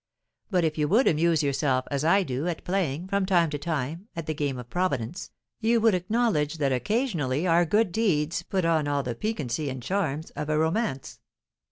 But if you would amuse yourself, as I do, at playing, from time to time, at the game of Providence, you would acknowledge that occasionally our good deeds put on all the piquancy and charms of a romance."